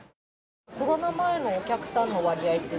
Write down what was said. コロナ前のお客さんの割合って？